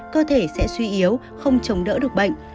cơ thể sẽ suy yếu không chống đỡ được bệnh